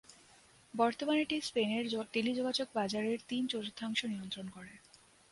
বর্তমানে এটি স্পেনের টেলিযোগাযোগ বাজারের তিন-চতুর্থাংশ নিয়ন্ত্রণ করে।